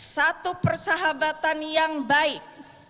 satu persahabatan yang baik